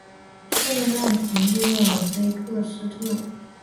圣让皮耶尔菲克斯特。